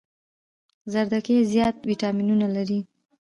زردکي زيات ويټامينونه لري